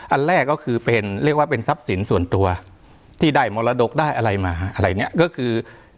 อันแรกก็คือเป็นเรียกว่าเป็นทรัพย์สินส่วนตัวที่ได้มรดกได้อะไรมาอะไรเนี่ยก็คือ